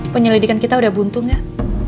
penyelidikan kita udah buntu gak